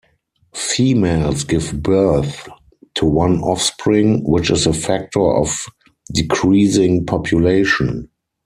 Females give birth to one offspring, which is a factor of decreasing population.